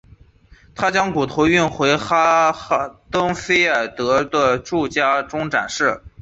他将骨头运回哈登菲尔德的住家中展示。